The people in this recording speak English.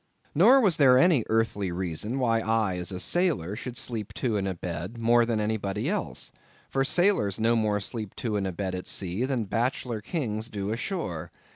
Nor was there any earthly reason why I as a sailor should sleep two in a bed, more than anybody else; for sailors no more sleep two in a bed at sea, than bachelor Kings do ashore.